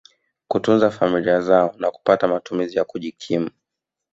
kutunza familia zao na kupata matumizi ya kujikimu